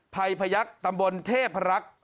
ภัยพยักษ์ตำบลเทพรักษ์